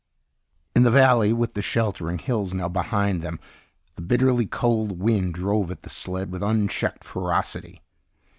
In the valley, with the sheltering hills now behind them, the bitterly cold wind drove at the sled with unchecked ferocity.